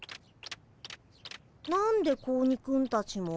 何で子鬼くんたちも？